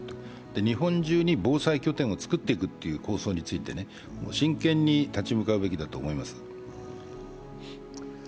日本中に防災拠点を作っていくという構想について真剣に立ち向かうべきだと思います。